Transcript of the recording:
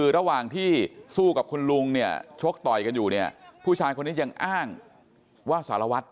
ระหว่างที่สู้กับคุณลุงเนี่ยชกต่อยกันอยู่เนี่ยผู้ชายคนนี้ยังอ้างว่าสารวัตร